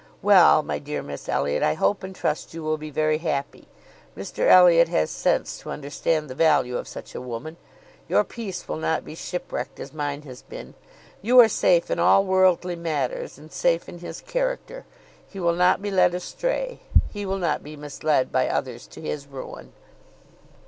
Well, my dear Miss Elliot, I hope and trust you will be very happy. Mr Elliot has sense to understand the value of such a woman. Your peace will not be shipwrecked as mine has been. You are safe in all worldly matters, and safe in his character. He will not be led astray; he will not be misled by others to his ruin."